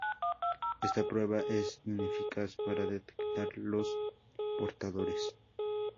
Esta prueba es ineficaz para detectar los portadores.